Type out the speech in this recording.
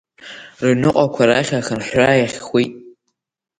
Рыҩныҟақәа рахь ахынҳәра иахьхәит.